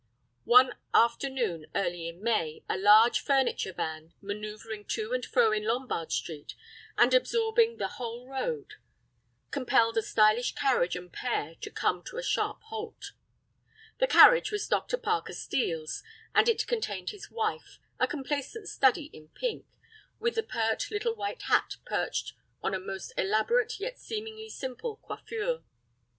One afternoon early in May a large furniture van, manœuvring to and fro in Lombard Street and absorbing the whole road, compelled a stylish carriage and pair to come to a sharp halt. The carriage was Dr. Parker Steel's, and it contained his wife, a complacent study in pink, with a pert little white hat perched on a most elaborate yet seemingly simple coiffure.